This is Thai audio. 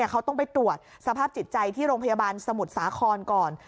เขาต้องไปตรวจสภาพจิตใจที่โรงพยาบาลสมุทรสาครก่อน